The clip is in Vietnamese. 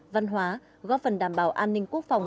văn hóa góp phần đảm bảo an ninh quốc phòng